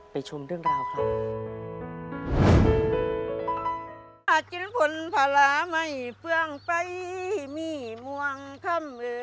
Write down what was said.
ชมเรื่องราวครับ